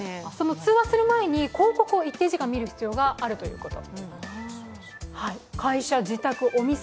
通話する前に、広告を一定時間見る必要があるというと。